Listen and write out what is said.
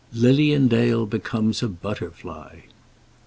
LILIAN DALE BECOMES A BUTTERFLY.